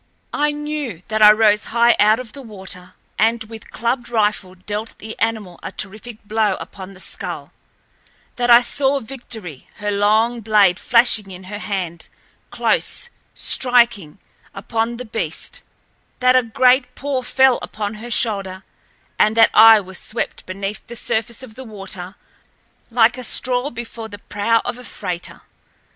I knew that I rose high out of the water, and, with clubbed rifle, dealt the animal a terrific blow upon the skull, that I saw Victory, her long blade flashing in her hand, close, striking, upon the beast, that a great paw fell upon her shoulder, and that I was swept beneath the surface of the water like a straw before the prow of a freighter.